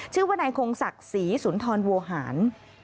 ชื่อว่านายคงศักดิ์ศรีสุนทรโวหาร